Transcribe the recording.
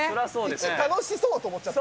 １、楽しそうと思っちゃった。